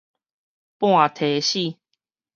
半䖙死